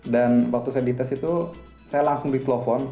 dan waktu saya dites itu saya langsung di telpon